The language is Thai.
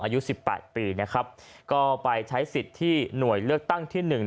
อายุสิบแปดปีนะครับก็ไปใช้สิทธิ์ที่หน่วยเลือกตั้งที่หนึ่ง